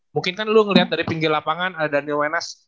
mungkin kan lu ngelihat dari pinggir lapangan ada daniel wenas